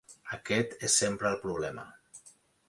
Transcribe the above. Aquest és sempre el problema.